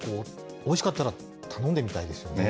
おいしかったら、頼んでみたいですよね。